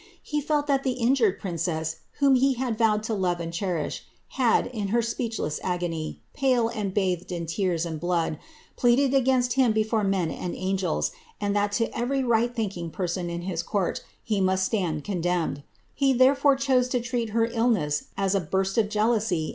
He felt that the injured princess, whom he ed to love and cherish, had, in her speechless agony, pale, and 1 tears and blood, pleaded against him before men and angels, to every right thinking person in his court he must stand con , he therefore chose to treat her illness as a burst of jealousy n an hysterical paroxysm.